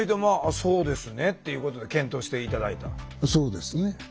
そうですよね。